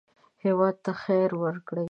هېواد ته خیر ورکړئ